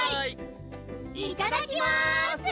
いただきます！